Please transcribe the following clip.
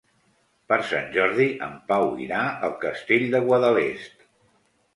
Per Sant Jordi en Pau irà al Castell de Guadalest.